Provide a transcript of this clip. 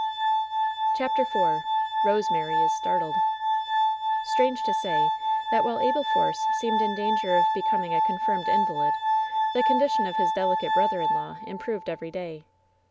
CHAPTER IV BOSEMABY IS STABTLED Stbange to say, that while Abel Force seemed in dan ger of becoming a confirmed invalid, the condition of his delicate brother in law improved every day.